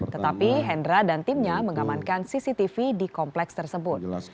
tetapi hendra dan timnya mengamankan cctv di kompleks tersebut